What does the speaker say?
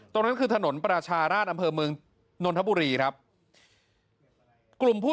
ตรงนั้นคือถนนประชาราชอำเภอเมืองนนทบุรีครับกลุ่มผู้